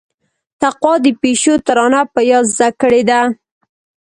تقوا د پيشو ترانه په ياد زده کړيده.